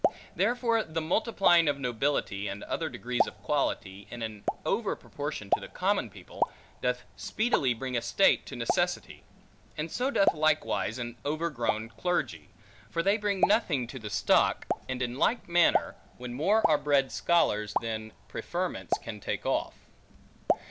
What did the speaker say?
Therefore the multiplying of nobility, and other degrees of quality, in an over proportion to the common people, doth speedily bring a state to necessity; and so doth likewise an overgrown clergy; for they bring nothing to the stock; and in like manner, when more are bred scholars, than preferments can take off.